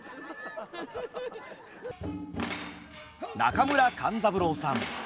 中村勘三郎さん。